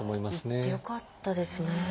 行ってよかったですね。